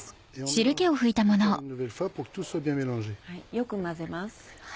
よく混ぜます。